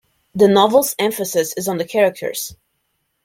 The novel's emphasis is on the characters.